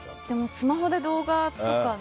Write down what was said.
スマホで動画とか。